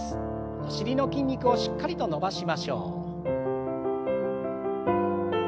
お尻の筋肉をしっかりと伸ばしましょう。